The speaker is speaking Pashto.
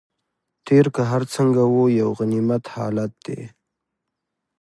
تېر که هر څنګه و یو غنیمت حالت دی.